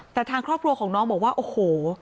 แต่ทางครอบครัวของน้องบอกว่าโอ้โห